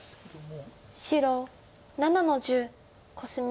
白７の十コスミ。